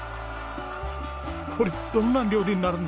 これどんな料理になるんですかね？